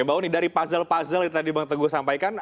mbak uni dari puzzle puzzle yang tadi bang teguh sampaikan